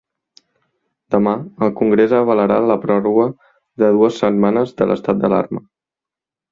Demà, el congrés avalarà la pròrroga de dues setmanes de l’estat d’alarma.